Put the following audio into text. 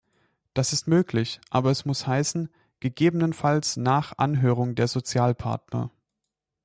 Das ist möglich, aber es muss heißen "gegebenenfalls nach Anhörung der Sozialpartner".